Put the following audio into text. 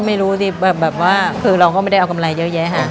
ไม่รู้ดิแบบว่าคือเราก็ไม่ได้เอากำไรเยอะแยะค่ะ